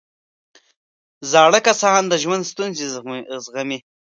زاړه کسان د ژوند ستونزې زغمي